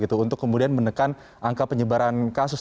untuk kemudian menekan angka penyebaran kasus